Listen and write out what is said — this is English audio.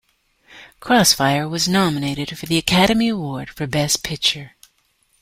"Crossfire" was nominated for the Academy Award for Best Picture.